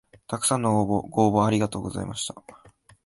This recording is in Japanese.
たくさんのご応募ありがとうございました